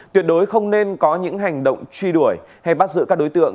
tuyệt đối không nên có những hành động truy đuổi hay bắt giữ các đối tượng